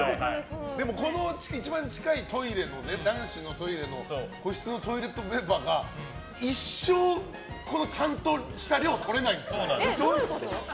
ここの一番近い男子のトイレの個室のトイレットペーパーが一生ちゃんとした量取れない。